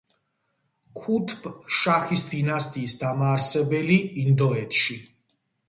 ქუთბ შაჰის დინასტიის დამაარსებელი ინდოეთში.